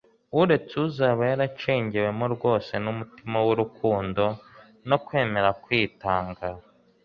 uretse uzaba yaracengewemo rwose n'umutima w'urukundo no kwemera kwitanga.